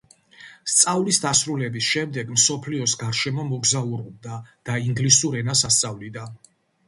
სწავლის დასრულების შემდეგ, მსოფლიოს გარშემო მოგზაურობდა და ინგლისურ ენას ასწავლიდა.